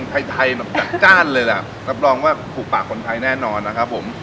ไทยไทยแบบจัดจ้านเลยล่ะรับรองว่าถูกปากคนไทยแน่นอนนะครับผม